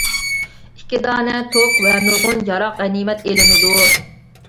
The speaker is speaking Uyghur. ئىككى دانە توك ۋە نۇرغۇن ياراق غەنىيمەت ئېلىنىدۇ.